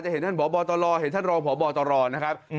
จะเห็นท่านหมอบอตรอเห็นท่านรองผอบอตรอนะครับอืม